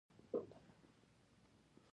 رسوب د افغانستان یو ډېر لوی او مهم طبعي ثروت دی.